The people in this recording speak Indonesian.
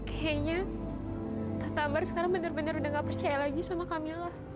kayaknya tante ambar sekarang benar benar udah gak percaya lagi sama kak mila